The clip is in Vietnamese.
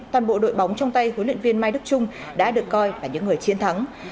toàn bộ đội bóng trong tay huấn luyện viên mai đức trung đã được coi là những người chiến thắng